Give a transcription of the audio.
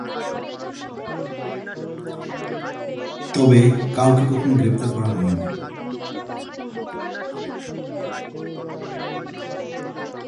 তবে, কাউকে কখনও গ্রেপ্তার করা হয়নি।